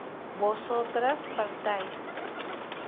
vosotras partáis